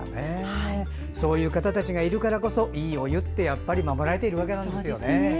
そういう方たちがいるからこそ、いいお湯ってやっぱり守られているわけですね。